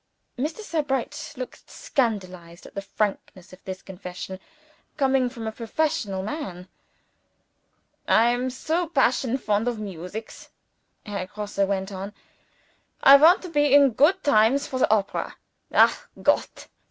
(Mr. Sebright looked scandalized at the frankness of this confession, coming from a professional man). "I am so passion fond of musics," Herr Grosse went on "I want to be in goot times for the opera. Ach Gott!